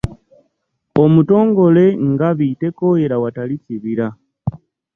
Omutongole Ngabi, tekooyera watali kibira